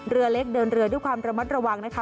เรือเล็กเดินเรือด้วยความระมัดระวังนะคะ